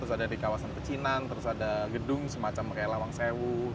terus ada di kawasan pecinan terus ada gedung semacam kayak lawang sewu